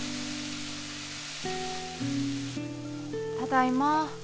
ただいま。